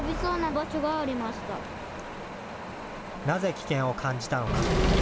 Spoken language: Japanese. なぜ危険を感じたのか。